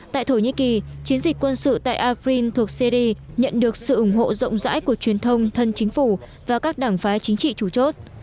tại thổ nhĩ kỳ chiến dịch quân sự tại afren thuộc syri nhận được sự ủng hộ rộng rãi của truyền thông thân chính phủ và các đảng phái chính trị chủ chốt